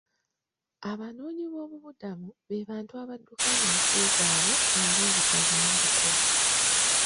Abanoonyi b'obubuddamu be bantu abadduka mu nsi zaabwe olw'obutabanguko.